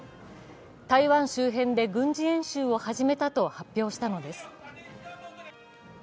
台湾周辺で軍事演習を始めたと発表したのです。